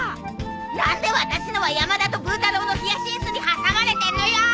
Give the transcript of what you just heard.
何で私のは山田とブー太郎のヒヤシンスに挟まれてんのよ！